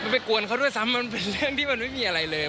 ไปกวนเขาด้วยซ้ำมันเป็นเรื่องที่มันไม่มีอะไรเลย